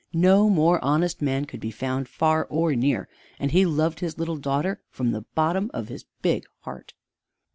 No more honest man could be found far or near, and he loved his little daughter from the bottom of his big heart.